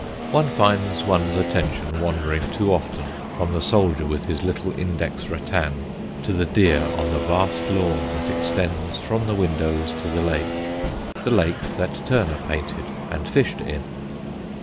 One finds one's attention wandering too often from the soldier with his little index rattan to the deer on the vast lawn that extends from the windows to the lake the lake that Turner painted and fished in.